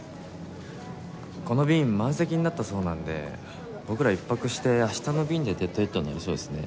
この便満席になったそうなので僕らは１泊して明日の便でＤＥＡＤＨＥＡＤになりそうですね。